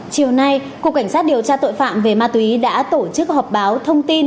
chiều nay cục cảnh sát điều tra tội phạm về ma túy đã tổ chức họp báo thông tin